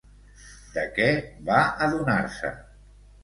De què va adonar-se?